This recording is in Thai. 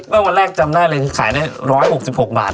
วันแรกจำได้เลยคือขายได้๑๖๖บาท